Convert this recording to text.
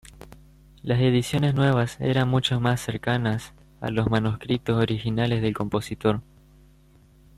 Las ediciones nuevas eran mucho más cercanas a los manuscritos originales del compositor.